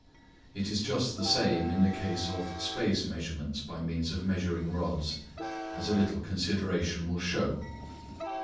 It is just the same in the case of space measurements by means of measuring rods, as a litttle consideration will show.